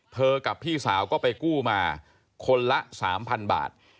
กับพี่สาวก็ไปกู้มาคนละ๓๐๐๐บาท